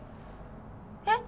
えっ？